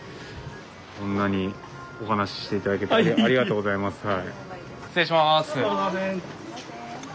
こんなにお話しして頂けてありがとうございます。